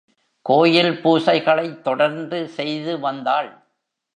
கோயில் பூசை களைத் தொடர்ந்து செய்து வந்தாள்.